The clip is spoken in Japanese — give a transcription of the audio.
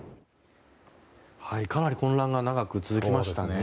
かなり混乱が長く続きましたね。